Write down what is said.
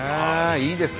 いいですね。